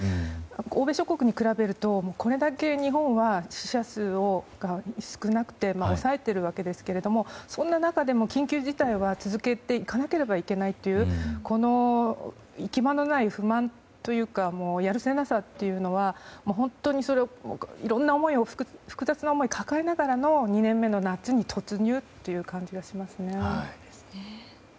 欧米諸国と比べるとこれだけ日本は死者数が少なくて抑えているわけですがそんな中でも、緊急事態は続けていかなければいけないというこの行き場のない不満というかやるせなさは本当にいろんな複雑な思いを抱えながらの２年目の夏に突入という感じがしますね。